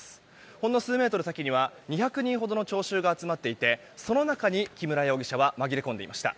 ほんの数メートル先には２００人ほどの聴衆が集まっていてその中に木村容疑者は紛れ込んでいました。